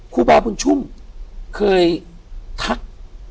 ครูบาบุญชุ่มเคยทัก